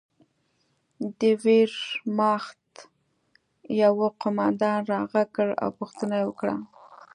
د ویرماخت یوه قومندان را غږ کړ او پوښتنه یې وکړه